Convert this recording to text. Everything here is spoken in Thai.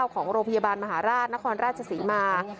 ของโรงพยาบาลมหาราชนครราชศรีมา